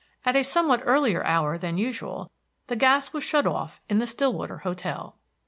At a somewhat earlier hour than usual the gas was shut off in the Stillwater hotel.